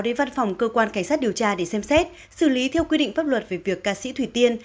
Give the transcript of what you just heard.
đến văn phòng cơ quan cảnh sát điều tra để xem xét xử lý theo quy định pháp luật về việc ca sĩ thủy tiên